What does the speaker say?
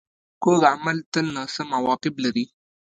کوږ عمل تل ناسم عواقب لري